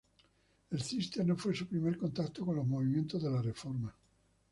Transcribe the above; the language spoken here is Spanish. El Císter no fue su primer contacto con los movimientos de reforma.